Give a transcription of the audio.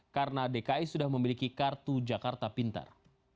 karena dki sudah memiliki kartu jakarta pintar